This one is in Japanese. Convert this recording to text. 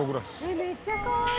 めっちゃかわいい！